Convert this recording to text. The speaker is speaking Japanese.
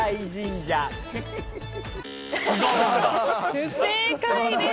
不正解です。